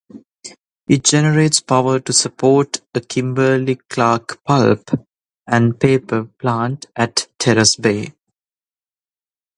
It generates power to support a Kimberly-Clark pulp and paper plant at Terrace Bay.